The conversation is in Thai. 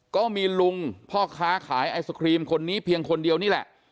ก็มีลุงพ่อค้าขายไอศครีมคนนี้เพียงคนเดียวนี่แหละ